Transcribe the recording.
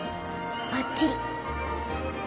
ばっちり。